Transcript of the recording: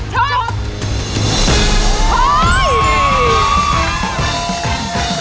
ฉุบ